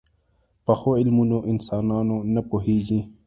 پخو علمونو انسانونه پوهيږي